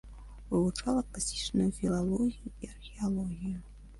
Вывучала класічную філалогію і археалогію.